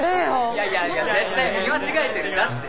いやいやいや絶対見間違えてるんだって。